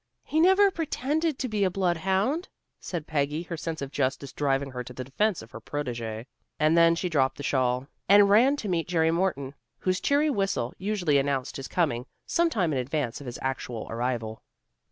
"He never pretended to be a bloodhound," said Peggy, her sense of justice driving her to the defence of her protégé. And then she dropped the shawl and ran to meet Jerry Morton, whose cheery whistle usually announced his coming some time in advance of his actual arrival.